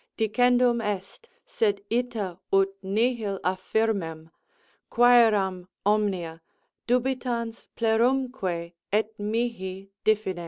_Dicendum est, sed ita ut nihil affirment, quceram omnia, dubitans plerumque, et mihi diffidens.